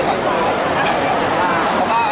นั่งคุยเจ้าจี้กว่า